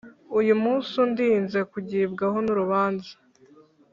uyu munsi undinze kugibwaho n urubanza